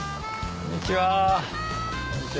こんにちは。